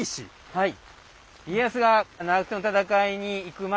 はい。